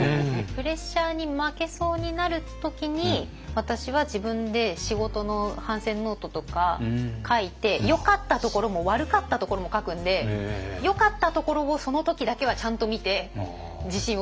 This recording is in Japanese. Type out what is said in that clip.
プレッシャーに負けそうになる時に私は自分で仕事の反省ノートとか書いてよかったところも悪かったところも書くんでよかったところをその時だけはちゃんと見て自信をつけるっていう。